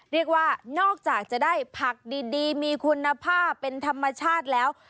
เรียกว่านอกจากจะได้ผักดีมีคุณภาพเป็นธรรมชาติแล้ว